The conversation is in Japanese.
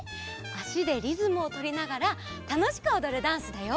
あしでリズムをとりながらたのしくおどるダンスだよ。